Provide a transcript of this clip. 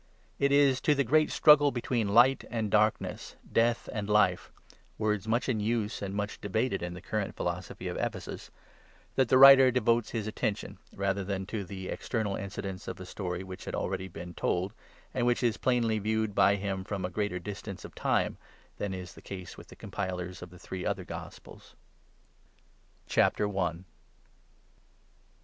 It is to the great struggle between Light and Darkness, Death and Life — words much in use and much debated in the current philosophy of Ephesus — that the writer devotes his attention, rather than to the external incidents of a story which has already been told, and which is plainly viewed by him from a greater distance of time than is the case with the compilers of the three other gospels. ACCORDING TO JOHN. INTRODUCTION. .